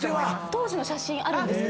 当時の写真あるんです。